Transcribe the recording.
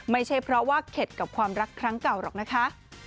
ไม่ใช่เพราะว่าเข็ดกับความรักครั้งเก่าหรอกนะคะ